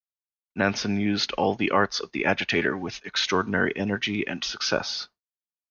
Nansen used all the arts of the agitator with extraordinary energy and success.